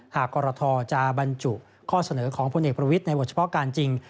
กรทจะบรรจุข้อเสนอของพลเอกประวิทย์ในบทเฉพาะการจริง